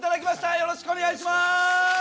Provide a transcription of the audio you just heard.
よろしくお願いします！